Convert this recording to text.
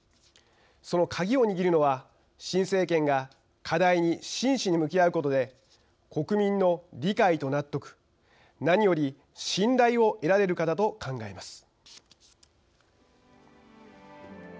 その鍵を握るのは新政権が課題に真摯に向き合うことで国民の理解と納得、何より信頼を得られるかだと考えます。